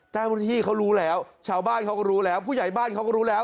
เจ้าหน้าที่เขารู้แล้วชาวบ้านเขาก็รู้แล้วผู้ใหญ่บ้านเขาก็รู้แล้ว